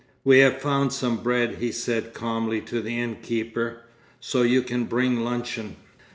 "We have found some bread," he said calmly to the innkeeper, "so you can bring luncheon."